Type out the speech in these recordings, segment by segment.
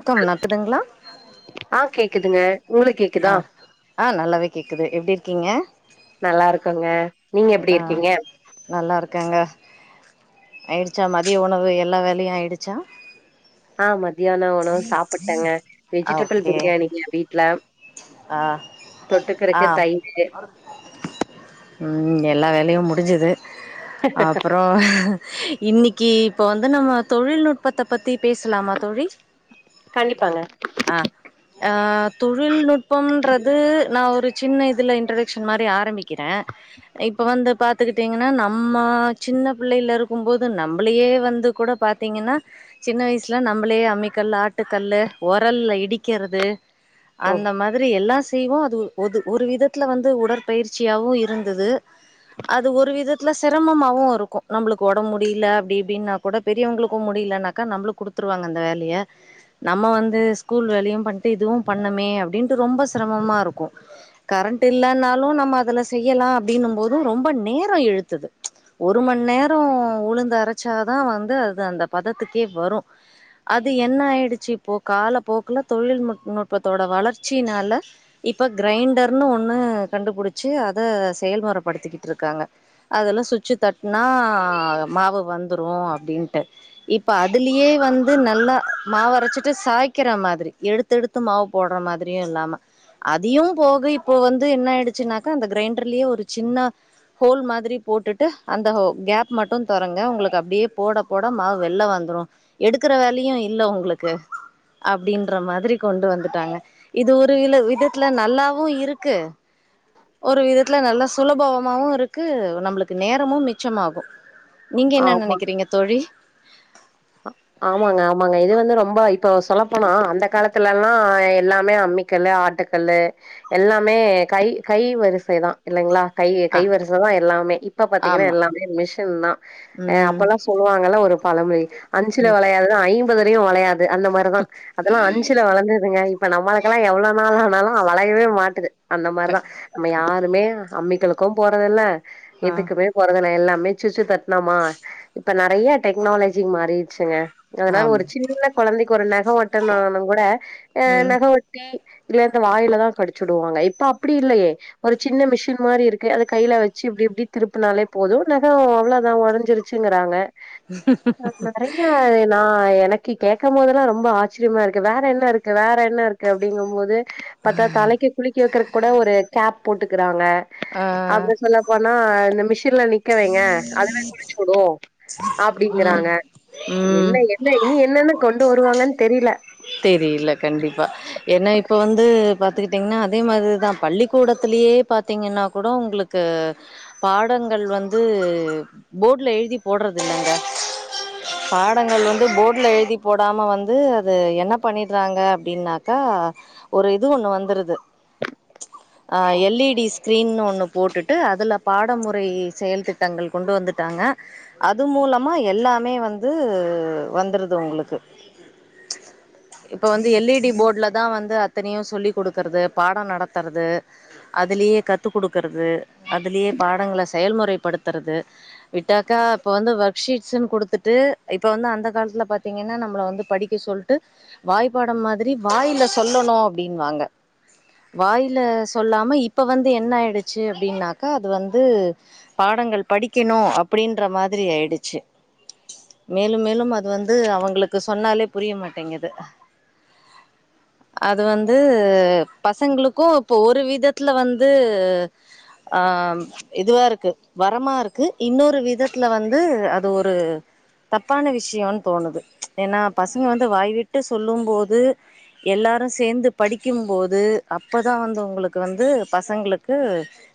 க்கும் நடத்துடுதுங்களா ஆ கேக்குதுங்க. உங்களுக்கு அ கேக்குதா? ஆ நல்லாவே கேக்குது எப்டி இருக்கீங்க நல்லா இருக்கோங்க நீங்க எப்டி அ இருக்கீங்க? நல்லா இருக்கங்க ஆயிடுச்சா மதிய உணவு எல்லா வேலயு ஆயிடுச்சா ஆ மதியான உணவு சாப்பட்டேங்க ஆ வெஜிடபிள் ஓகே பிரியாணிங்க வீட்ல ஆ ஆ தொட்டுக்கறதுக்கு தயிரு ம் எல்லா வேலையு முடிஞ்சிது அப்பறோ அப்பறோ இன்னைக்கி இப்போ வந்து நம்ம தொழில்நுட்பத்த பத்தி பேசலாமா தோழி [inaudible] கண்டிப்பாங்க ஆ தொ றில்நுட்பம்ன்றது நா ஒரு சின்ன இதுல இன்ட்ரடக்ஷன் மாரி ஆரம்பிக்கிறே இப்போ வந்து பாத்துகிட்டிங்கினா நம்மா சின்ன புள்ளைல இருக்கும்போது நம்பளயே வந்து கூடப் பாத்திங்கின்னா சின்ன வயிச்ல நம்பளே அம்மிக்கல்லு ஆட்டுக்கல்லு ஒரல்ல இடிக்கிறது ஓ அந்த மாதிரி எல்லா செய்வோ அது ஒது ஒரு விதத்ல வந்து உடற்பயிற்சியாவு இருந்தது அது ஒரு விதத் த்ல சிரமமாவு இருக்கு நம்ளுக்கு ஒடம் முடில அப்டி இப்டின்னா கூட பெரியவுங்ளுக்கும் முடிலன்னாக்கா நம்ளுக் குடுத் துருவாங்க அந்த வேலய நம்ம வந்து ஸ்கூல் வேலயும் பண்ட்டு இதுவும் பண் ண்ணமே அப்டின்ட்டு ரொம்ப சிரமமாருக்கு கரண்ட் இல்லனாலு நம்ம அதுல செய்யலா அப்டின்னும் போது ரொம்ப நேரோ எழுத்துது ஒரு மண் நேரோ உளுந்து அரச்சாதா வந்து அது அந்தப் பதத்துக்கே வரு அது என்ன ஆயிடுச்சி இப்போ காலப்போக்குல தொழில்முட் நுட்பத்தோட வளர்ச்சினால இப்ப கிரைண்டர்னு ஒன்னு கண்டுபுடிச்சி அத செயல்முறப்படுத்திகிட்ருக்காங்க அதுல சுச்சி தட்னா மாவு வந்துரு அப்டின்ட்டு இப்ப அதுலியே வந்து நல்லா மாவரச்சிட்டு சாய்க்கிறா மாதிரி எடுத்தெடுத் து மாவு போட்றா மாதிரியு இல்லாம அதியும் போக இப்போ வந்து என்ன ஆயிடுச்சுனாக்கா அந்த கிரைண்டர்லியே ஒரு சின்னா ஹோல் மாதிரி போட்டுட்டு அந்த ஹோ கேப் மட்டுந் தொறங்க உங்ளுக்கு அப்டியேப் போடப் போட மாவு வெள்ல வந்துரு எடுக்குற வேலையு இல்ல ஒங்ளுக்கு அப்டின்ற மாதிரிக் கொண்டு வந்துட்டாங்க இது ஒருயில விதத்ல நல்லாவு இருக்கு ஒரு விதத்ல நல்லா சுலபவமாவு இருக்கு நம்ளுக்கு நேரமும் மிச்சமாகு நீங்க என்னா நெனக்கிறீங்க தோழி ஆ ஆமாங்க ஆமாங்க இது வந்து ரொம்ப இப்பவோ சொல்லப்போன அந்த காலத்துல அல்லா எல்லாமே அம்மிக் கல்லு ஆட்டுக்கல்லு எல்லாமே கை கை வருசைதா இல்லைங்ளா கை ஆ கைவருசதா எல்லாமே இப்ப பாத்தீங்கனா ஆமா எல்லாமே மிஷின்தா அ ம் அப்போல்லாச் சொல்லுவாங்கல்ல ஒருப் பழம்ழி அஞ்சுல ம் வளையாதது ஐம்பதுலியு வளையாது அந்த மாரிதா அதெல்லா அஞ்சுல வளந்துதுங்க இப்ப நம்மளுக்கெல்லா எவ்ளோ நாள் ஆனாலு வளயவே மாட்டுது அந்த க மாருதா நம்ம யாருமே அம்மிகல்லுக்கும் போறதில்ல ஆ எதுக்குமேப் போறதுல எல்லாமே சுச்சு தட்னமா இப்ப நெறய டெக்னாலஜிங் மாறிர்ச்சுங்க அதனால ஒரு ஆமா சின்ன கொழந்தைக்கு ஒரு நகோ வெட்டனானுங் கூட அ ம் நகோ வெட் டி இதுல இந்த வாயிலதா கடிச்சுடுவாங்க இப்ப அப்டி இல்லயே ஒரு சின்ன மிஷின் மாரி இருக்கு அதுக் கைல வெச்சி இப்டி இப்டித் திருப்புனாலேப் போது நகோ அவ்ளோதா ஒடஞ்சிருச் சுங்கறாங்க ரைய்யார் அதே நா எனக்கி கேக்கம் போதெல்லா ரொம்ப ஆச்ரியமாருக்கு வேற என்ன இருக்கு வேற என்ன இருக்கு அப்டிங்கம்போது பாத்தா தலைக்கு குளிக்க வெக்கறக் கூட ஒரு கேப் போட்டுக்குறாங்க ஆ அப்றோ சொல்லப் போனா இந்த மிஷின்ல நிக்கவைங்க அதுவேக் குளிச்சசூடு ம் அப்டிங்கிறாங்க என்ன ம் என்ன இனி என்னென்னக் கொண்டு வருவாங்கன் தெரில தெரில கண்டிப்பா ஏன்னா இப்ப வந்து பாத்துகிட்டீங்னா அதே மாதிரிதாப் பள்ளிக்கூடத்திலியேப் பாத்தீங்கின்னாக் கூட உங்ளுக் கு பாடங்கள் வந்து போர்ட்ல எழுதிப் போட்றதில்லங்க பாடங்கள் வந்து போர்ட்ல எழுதிப் போடாம வந்து அது என் என்னப் பண்ணிட்றாங்க அப்டின்னாக்கா ஒரு இது ஒன்னு வந்துருது அ எல் இ டி ஸ்க்ரீன்னு ஒன்னு போட்டுட்டு அதுல பாடமுறை செயல்திட்டங்கள் கொண்டு வந்துட்டாங்க அது மூலமா எல்லாமே வந்து வந்துருது உங்ளுக்கு இப்ப வந்து எல் இ டி போர்டுலதா வந்து அத்தனயூ சொல்லி் கொடுக்குறது பாடம் நடத்துறது அதுலியே கத்து கொடுக்குறது அதுலியே பாடங்கள செயல்முறை படுத்தறது விட்டாக்கா இப்ப வந்து ஒர்க் ஷீட்ஸ்ஸுன்னு கொடுத்துட்டு இப்ப வந்து அந்த காலத்துல பாத்தீங்கன்னா நம்மள வந்து படிக்க சொல் வாய்பாடோ மாரி வாயில சொல்லணூ அப்டின்னூ வாங்க வாயில சொல்லாம இப்ப வந்து என்ன ஆயிடுச்சு அப்டின்னாக்கா அது வந்து பாடங்கள் படிக்கணூ அப்டின்ற மாதிரி ஆயிடுச்சு மேலூ மேலூ அது வந்து அவங்களுக்கு சொன்னாலே புரிய மாட்டேங்குது அது வந்து பசங்களுக்கூ இப்ப ஒரு விதத்துல வந்து ஆம் இதுவா இருக்கு வரமா இருக்கு இன்னொரு விதத்துல வந்து அது ஒரு தப்பான விஷயோன் தோணுது ஏன்னா பசங்க வந்து வாய்விட்டு சொல்லும் போது எல்லாரூ சேர்ந்து படிக்கும்போது அப்ப தா வந்து உங்களுக்கு வந்து பசங்களுக்கு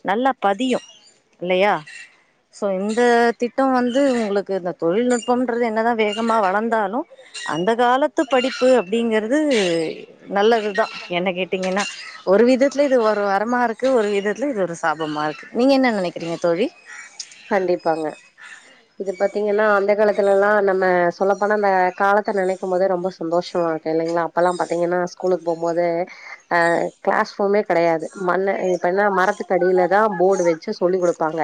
நல்லா பதியூ இல்லயா ஸோ இந்த திட்டம் வந்து உங்களுக்கு இந்த தொழில்நுட்பம்ன்றது என்னதா வேகமாக வளர்ந்தாலூ அந்த காலத்து படிப்பு அப்படிங்கறது நல்லதுதா என்ன கேட்டீங்கன்னா ஒரு விதத்துல இது ஒரு வரமா இருக்கு ஒரு விதத்துல இது ஒரு சாபமா இருக்கு நீங்க என்ன நினைக்கறீங்க தோழி கண்டிப்பாங்க இது பார்த்தீங்கன்னா அந்த காலத்துலல்லா நம்ம சொல்லப்போனா நா காலத்தெ நெனைக்கூ போதே ரொம்ப சந்தோஷமாருக்கூ இல்லைங்களா அப்பெல்லா பாத்தீங்கன்னா ஸ்கூலுக்கு போவூம்போதெ அ கிளாஸ் ரூமே கிடையாது மண்ணெ இப்பன்னா மரத்துக்கடியிலதா போர்டு வெச்சி சொல்லி கொடுப்பாங்க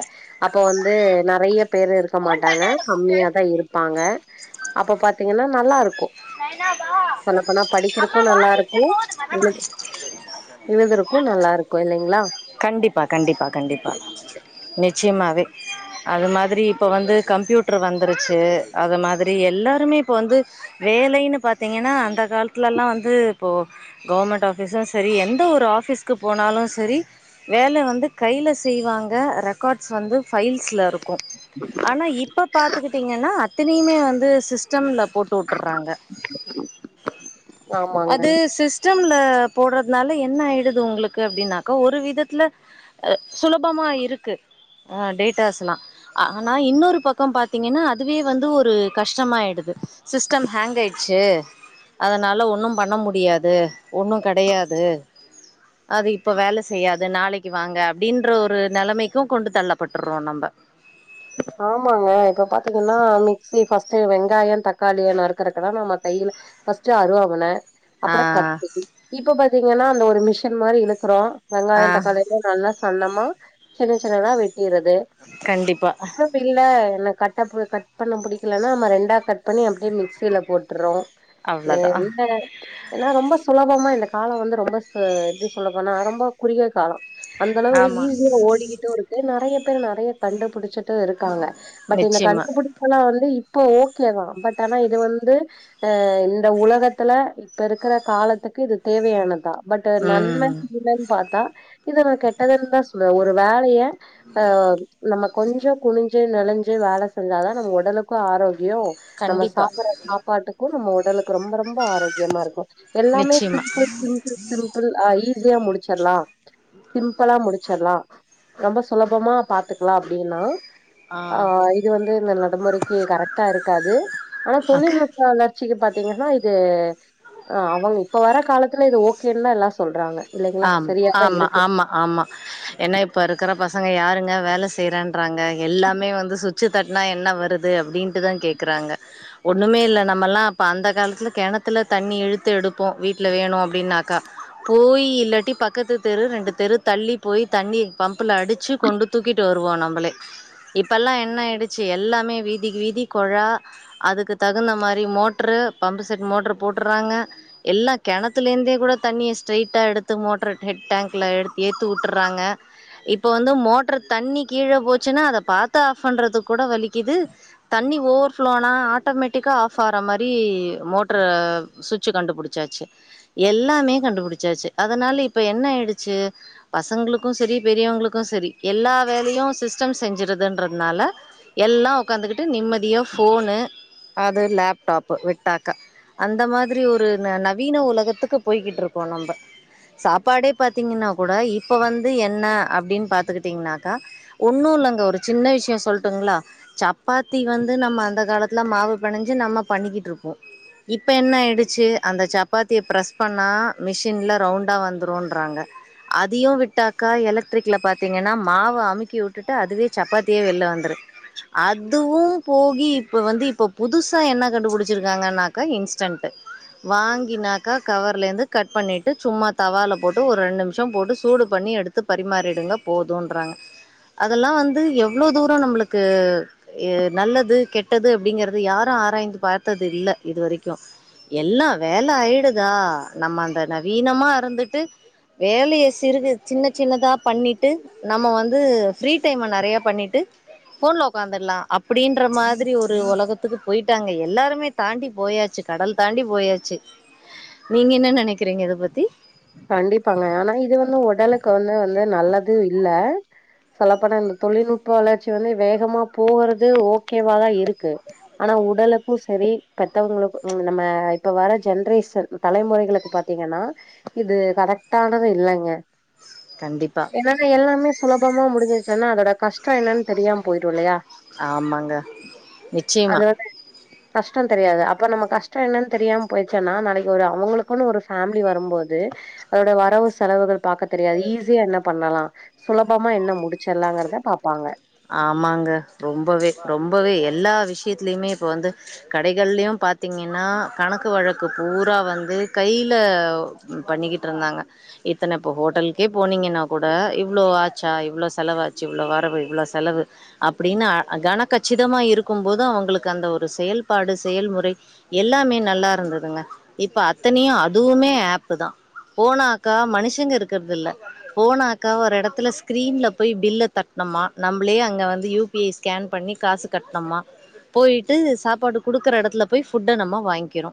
அப்ப வந்து நெறயா பேர் இருக்க மாட்டாங்க கம்மியா தா இருப்பாங்க அப்ப பாத்தீங்கன்னா நல்லா இருக்கூ நைனா வா சொல்லப்போனா படிக்கிறக்கூ நல்லா இருக்கூ ஊவெத் எழுதறக்கூ நல்லா இருக்கூ இல்லிங்ளா கண்டிப்பா கண்டிப்பா கண்டிப்பா நிச்சயமாவே அது மாதிரி இப்ப வந்து கம்ப்யூட்ரு வந்துருச்சு அது மாதிரி எல்லாருமே இப்ப வந்து வேலைன்னு பாத்தீங்கன்னா அந்த காலத்துலலா வந்து இப்போ கவர்மெண்ட் ஆபிஸும் சரி எந்த ஒரு ஆஃபிஸ்க்கு போனாலூ சரி வேல வந்து கையில செய்வாங்க ரெக்கார்ட்ஸ் வந்து ஃபைல்ஸ்ல இருக்கூ ஆனா இப்ப பார்த்துக்கிட்டீங்கன்னா அத்தனையுமே வந்து சிஸ்டம்ல போட்டு வுட் ட்றூறாங்க ஆமாங்க அது சிஸ் ஸ்டம்ல போடுறதுனால என்ன ஆயிடுது உங்களுக்கு அப்படின்னாக்கா ஒரு விதத்துல அ சுலபமா இருக்கு ஆ டேட்டாஸ்லா ஆனா இன்னொரு பக்கம் பாத்தீங்கன்னா அதுவே வந்து ஒரு கஷ்டமாயிடுது சிஸ்டம் ஹேங்காயிட்ச்சு அதுனால ஒன்னூ பண்ண முடியாது ஒன்னூ கிடையாது அது இப்போ வேலை செய்யாது நாளைக்கு வாங்க அப்படின்ற ஒரு நிலைமைக்கூ கொண்டு தள்ளப்பட்டுறோ நம்ப ஆமாங்க இப்ப பாத்தீங்கன்னா மிக்சி பர்ஸ்ட்டு வெங்காயோ தக்காளிய நறுக்கறக்குதா நம்ம கைல ஃபர்ஸ்ட்டு அருவாமன ஆ அப்புறோ கத்தி இப்ப பாத்தீங்கன்னா அந்த ஒரு மிஷின் மாரி இழுக்கறோ ஆ வெங்காயோ தக்காளி நல்லா சன்னமா சின்ன சின்னதா வெட்டியறது கண்டிப்பா இல்ல என்ன கட்டப்பு கட் பண்ண புடிக்கலனா நம்ம ரெண்டா கட் பண்ணி அப்டியே மிக்சியில போட்டுற்றோ அ அவ்ளதா என்ன ஏனா ரொம்ப சுலபமா இந்த காலம் வந்து ரொம்ப ஸ் எப்டி சொல்லபோனா ரொம்போ குறுகிய கால அந்த அளவு ஆமா ஈஸியா ஓடிக்கிட்டு இருக்கு நெறயா பேரு நெறயா கண்டுபிடிச்சட்டு இருக்காங்க பட் இந்த நிச்சயமா கண்டு பிடிப்புல்லா வந்து இப்ப ஓகேதா பட் ஆனா இது வந்து அ இந்த உலகத்துல இப்ப இருக்குற காலத்துக்கு இது தேவையானதா பட் ம் நன்மைரியலனு பாத்தா இது நா கெட்டதுனு தா சொல்லுவ ஒரு வேலைய ஆ நம்ம கொஞ்ச குனிஞ்சு நெளிஞ்சு வேல செஞ்சா தா நம்ம உடலுக்கு ஆரோக்கியோ நம்ம கண்டிப்பா சாப்பிடுற சாப்பாட்டுக்கு நம்ம உடலுக்கு ரொம்ப ரொம்ப ஆரோக்கியமா இருக்கு எல்லாமே நிச்சயமா சிம்பிள் சிம்பிள் சிம்பிள் ஆயி இதுலே முடிச்சிலா சிம்பிளா முடிச்சிலா ரொம்ப சுலபமா பாத்துக்கலா அப் அப்டினா ஆ இது வந்து இந்த நடமுறைக்கு கரெக்டா இருக்காது ஆனா அக் தொழில்நுட்ப வளர்ச்சிக்கு பாத்தீங்கன்னா இது ஆ அவங் இப்ப வர காலத்துல இது ஓகேன்னுதா எல்லா சொல்றாங்க இல்லைங்களா ஆம் சரியாதா ஆமா இருக்கு ஆமா ஆமா ஏனா இப்ப இருக்குற பசங்க யாருமே வேலை செய்றன்றாங்க எல்லாமே வந்து சுத் வச்சு தட்னா என்ன வருது அப்டின்ட்டுதா கேட்குறாங்க ஒண்ணுமே இல்ல நம்ம எல்லா அப்ப அந்த காலத்துல கிணத்துல தண்ணி இழுத்து எடுப்போ வீட்ல வேணு அப்டினாக்கா போயி இல்லாட்டி பக்கத்து தெரு ரெண்டு தெரு தள்ளி போய் தண்ணி பம்புல்ல அடிச்சு கொண்டு தூக்கிட்டு வருவோ நம்பளே இப்பெல்லாம் என்னயிடுச்சு எல்லாமே வீதிக்கு வீதி கொழா அதுக்கு தகுந்த மாறி மோட்ரு பம்பு செட் மோட்ரு போட்றாங்க எல்லா கெணத்துல இருந்தே கூட தண்ணிய ஸ்ட்ரைடா எடுத் எத்து மோட்டர் ஹெட் டேங்ல எடுத் ஏத்தி விட்றாங்க இப்ப வந்து மோட்டர் தண்ணி கீழ போச்சுன்னா அத பாத்து ஆஃப் பண்றதுக்கு கூட வலிக்குது தண்ணி ஓவர்ஃப்ளோ ஆனா ஆட்டோமேட்டிக்காக ஆஃப் ஆற மாறி மோட்ர சுச்சு கண்டுபுடிச்சாச்சு எல்லாமே கண்டுபுடிச்சாச்சு அதனால இப்ப என்ன ஆயிடுச்சு பசங்களுக்கு சரி பெரியவங்களுக்கு சரி எல்லா வேலையு சிஸ்டம் செஞ்சுருதுன்றதுனால எல்லா உக்காந்துகிட்டு நிம்மதியா ஃபோனு அது லேப்டாப் விட்டாக்கா அந்த மாதிரி ஒரு நவீன உலகத்துக்கு போய்கிட்டு இருக்கோ நம்ப சாப்பாடே பாத்தீங்கன்னா கூட இப்ப வந்து என்ன அப்டினு பாத்துக்கிட்டீங்கனாக்கா ஒன்னு இல்லங்க ஒரு சின்ன விஷய சொல்ட்டுங்களா சப்பாத்தி வந்து நம்ம அந்த காலத்துல மாவு பெணஞ்சு நம்ம பண்ணிக்கிட்டு இருப்போ இப்போ என்ன ஆயிடுச்சு அந்த சப்பாத்திய ப்ரெஸ் பண்ணா மிஷின்ல ரவுண்டா வந்துருன்றாங்க அதையு விட்டாக்கா எலக்ட்ரிக்ல பாத்தீங்கன்னா மாவ அமுக்கி விட்டுட்டு அதுவே சப்பாத்திய வெளில வந்துரு அதுவு போகி இப்ப வந்து இப்ப புதுசா என்ன கண்டுபிடிச்சிருக்காங்கன்னாக்கா இன்ஸ்டன்டு வாங்கினாக்கா கவருல இருந்து கட் பண்ணிட் சும்மா தவால போட்டு ஒரு ரெண்டு நிமிஷ போட்டு சூடு பண்ணி எடுத்து பரிமாறிடுங்க போதுன்றாங்க அதெல்லா வந்து எவ்ளோ தூர நம்மளுக்கு ஏ நல்லது கெட்டது அப்படிங்கறத யாரு ஆராய்ந்து பாத்தது இல்ல இது வரைக்கு எல்லா வேல ஆயிடுதா நம்ம அந்த நவீனமா இருந்துட்டு வேலைய சிறுகு சின்ன சின்னதா பண்ணிட்டு நம்ம வந்து ஃப்ரீ டைம் நெறையா பண்ணிட்டு ஃபோன்ல உக்காந்துடலா அப்டின்ற மாதிரி ஒரு உலகத்துக்கு போயிட்டாங்க எல்லாருமே தாண்டி போயாச்சு கடல் தாண்டி போயாச்சு நீங்க என்ன நெனைக்கிறீங்க இத பத்தி கண்டிப்பாங்க ஆனா இது வந்து உடலுக்கு வந்து வந்து நல்லது இல்ல சொல்ல பொனா தொழில்நுட்ப வளர்ச்சி வந்து வேகமா போகறது ஓகேவாதா இருக்கு ஆனா உடலுக்கும் செரி பெத்தவங்களுக்கும் நம்ம இப்ப வர ஜென்ரேஷன் தலைமுறைகளுக்கு பாத்தீங்கன்னா இது கரெக்டானது இல்லங்க கண்டிப்பா என்னன்னா எல்லாமே சுலபமா முடிசிருச்சுன்னா அதோட கஷ்டம் என்னன்னு தெரியாம போயிடும் இல்லையா ஆமாங்க நிச்சயமா கஷ்டம் தெரியாது அப்ப நம்ம கஷ்டம் என்னன்னு தெரியாம போயிருச்சுன்னா நாளைக்கு ஒரு அவங்களுக்குன்னு ஒரு ஃபேமிலி வரும்போ து அதோட வரவு செலவுகள் பாக்க தெரியாது ஈஸியா என்ன பண்ணலா சுலபமா என்ன முடிச்சிர்லாங்கறத பாப்பாங்க ஆமாங்க ரொம்பவே ரொம்பவே எல்லா விஷயத்துலயுமே இப்போ வந்து கடைகள்லயும் பாத்தீங்கன்னா கணக்கு வழக்கு பூரா வந்து கைல பண்ணிக்கிட்டு இருந்தாங்க இத்தன இப்போ ஹோட்டலுக்கே போனீங்கன்னா கூட இவ்ளோ ஆச்சா இவ்ளோ செலவாச்சு இவ்ளோ வரவு இவ்ளோ செலவு அப்டின்னு அகான கச்சிதமா இருக்கும் போது அவங்களுக்கு அந்த ஒரு செயல்பாடு செயல்முறை எல்லாமே நல்லா இருந்ததுங்க இப்ப அத்தனையும் அதுவுமே ஆப்பு தா போனாக்கா மனுஷங்க இருக்கறது இல்ல போனாக்கா ஒரு இடத்துல ஸ்கிரீன்ல போய் பில்ல தட்னமா நம்ளே அங்கே வந்து யூ பி ஐ ஸ்கேன் பண்ணி காசு கட்ணமா போயிட்டு சாப்பாடு கொடுக்கற எடத்துல போய் ஃபுட்ட நம்ம வாங்கிறோ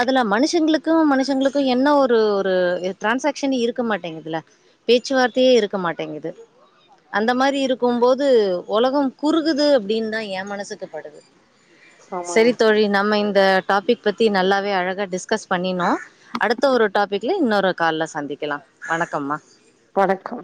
அதுல மனுஷங்களுக்கும் மனுஷங்களுக்கும் என்ன ஒரு ஒரு டிரான்சாகஷன் இருக்க மாட்டேங்குதுல பேச்சு வார்த்தயே இருக்க மாட்டேங்குது அந்த மாரி இரு க்கும்போது உலகம் குறுகுது அப்டின்னு தான் என் மனசுக்கு படுது ஆமாங்க செரி தோழி நம்ம இந்த டாபிக் பத்தி நல்லாவே அழக டிஸ்கஸ் பண்ணினோ அடுத்த ஒரு டாபிக்ல இன்னொரு கால்ல சந்திக்கலாம் வணக்கம்மா வணக்கோ